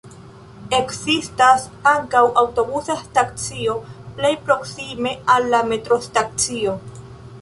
Ekzistas ankaŭ aŭtobusa stacio plej proksime al la metrostacio.